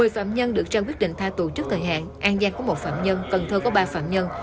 một mươi phạm nhân được trang quyết định tha tù trước thời hạn an giang có một phạm nhân cần thơ có ba phạm nhân